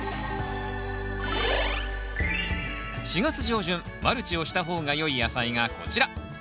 ４月上旬マルチをした方がよい野菜がこちら。